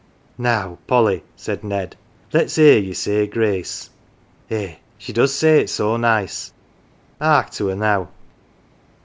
"Now, Polly," said Ned, "let's hear ye say grace. Eh, she does say it so nice. ""Ark to 'er now."